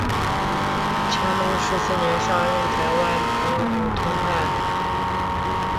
乾隆十四年上任台湾澎湖通判。